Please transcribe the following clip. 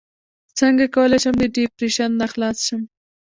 څنګه کولی شم د ډیپریشن نه خلاص شم